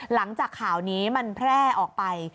หลังจากข่าวนี้มันแพร่ออกไป